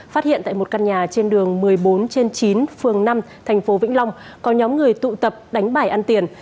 phát hiện tại một căn nhà trên đường một mươi bốn trên chín phường năm thành phố vĩnh long có nhóm người tụ tập đánh bài ăn tiền